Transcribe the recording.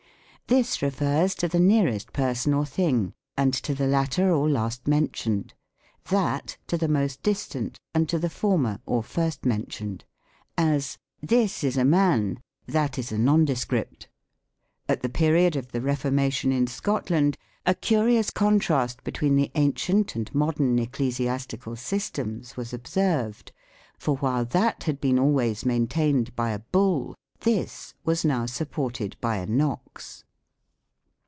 This refers to the nearest person or thing, and to the latter or last mentioned ; that to the most distant, and to the former or first mentioned ; as, " This is a man ; that is a nondescript." " At the period of the Refor mation in Scotland, a curious contrast between the ancient and modern ecclesiastical systems was observ ed ; for while that had been always maintained by a Bull, this was now supported by a Knox."